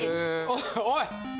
おい！